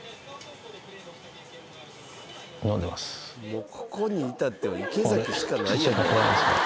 もうここに至っては池崎しかないやんもう。